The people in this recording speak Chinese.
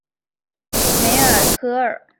梅尔科厄。